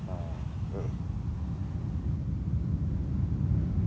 うん。